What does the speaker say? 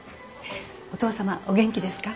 お父様お元気ですか？